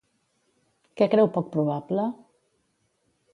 Què creu poc probable?